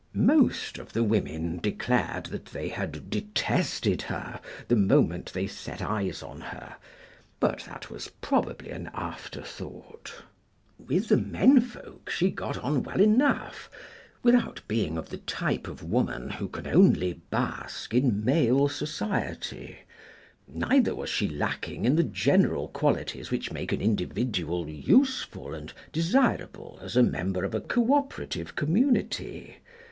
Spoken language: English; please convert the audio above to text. Most of the women declared that they had detested her the moment they set eyes on her; but that was probably an afterthought. With the menfolk she got on well enough, without being of the type of woman who can only bask in male society; neither was she lacking in the general qualities which make an individual useful and desirable as a member of a co operative community.